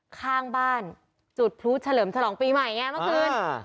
ข้างบ้านจุดพลุเฉลิมฉลองปีใหม่ไงเมื่อคืน